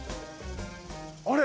あれ？